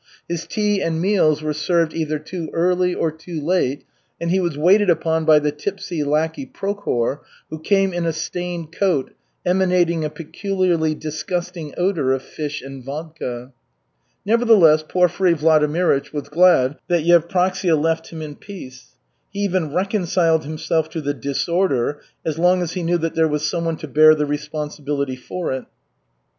His tea and meals were served either too early or too late, and he was waited upon by the tipsy lackey Prokhor, who came in a stained coat emanating a peculiarly disgusting odor of fish and vodka. Nevertheless, Porfiry Vladimirych was glad that Yevpraksia left him in peace. He even reconciled himself to the disorder as long as he knew that there was someone to bear the responsibility for it.